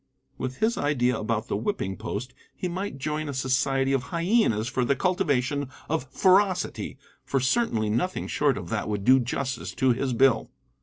With his idea about the whipping post he might join a society of hyenas for the cultivation of ferocity, for certainly nothing short of that would do justice to his bill.